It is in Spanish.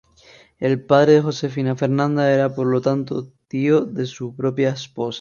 El padre de Josefina Fernanda era por lo tanto tío de su propia esposa.